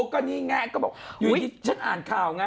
ก็แล้วก็ลง